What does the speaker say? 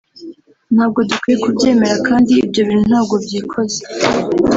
ntabwo dukwiye kubyemera kandi ibyo bintu ntabwo byikoze